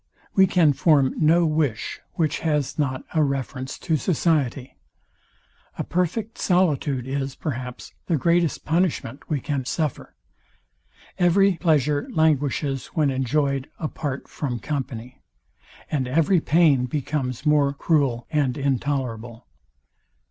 We can form no wish, which has not a reference to society. A perfect solitude is, perhaps, the greatest punishment we can suffer. Every pleasure languishes when enjoyed a part from company, and every pain becomes more cruel and intolerable.